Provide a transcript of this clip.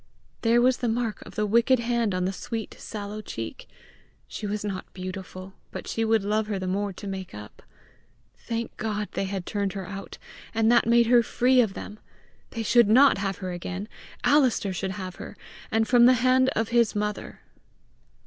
There was the mark of the wicked hand on the sweet sallow cheek! She was not beautiful, but she would love her the more to make up! Thank God, they had turned her out, and that made her free of them! They should not have her again; Alister should have her! and from the hand of his mother!